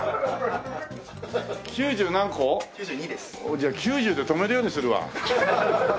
じゃあ９０で止めるようにするわ。